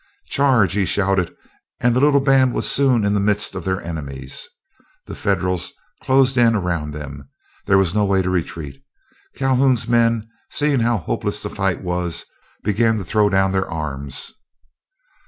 "Charge!" he shouted, and the little band were soon in the midst of their enemies. The Federals closed in around them. There was no way to retreat. Calhoun's men, seeing how hopeless the fight was, began to throw down their arms.